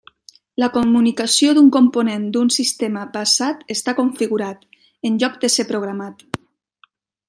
La comunicació d'un component d'un sistema basat està configurat, en lloc de ser programats.